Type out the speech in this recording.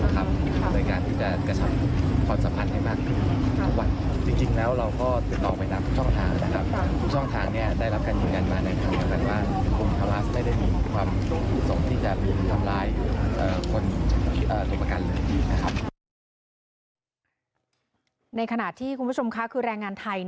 การยืนยันว่าลุ่มฮามาสไม่ได้มีความประสงค์ที่จะทำร้ายตัวประกันคนไทย